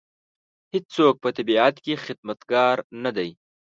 هېڅوک په طبیعت کې خدمتګار نه دی.